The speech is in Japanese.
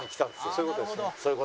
そういう事ですね。